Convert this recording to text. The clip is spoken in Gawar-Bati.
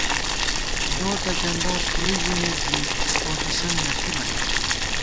لوٹہ چندا تھوئی ژمېت زی فوٹِسنت نہ تھِبہ نا